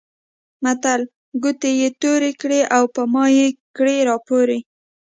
متل؛ ګوتې يې تورې کړې او په مايې کړې راپورې.